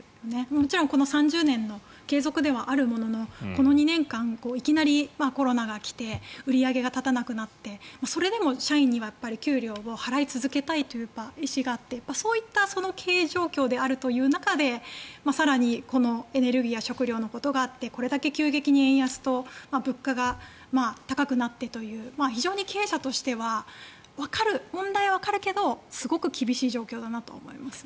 もちろんこの３０年の継続ではあるもののこの２年間いきなりコロナが来て売り上げが立たなくなってそれでも社員には給料を払い続けたいという意思があって、そういった経営状況であるという中で更にこのエネルギーや食料のことがあってこれだけ急激に円安と物価が高くなってという非常に経営者としては問題はわかるけどすごく厳しい状況だと思います。